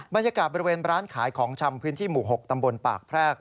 บรรยากาศบริเวณร้านขายของชำพื้นที่หมู่๖ตำบลปากแพรก